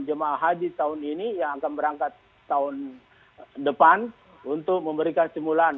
jemaah haji tahun ini yang akan berangkat tahun depan untuk memberikan simulan